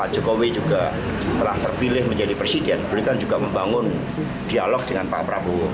jokowi juga telah terpilih menjadi presiden beliau kan juga membangun dialog dengan pak prabowo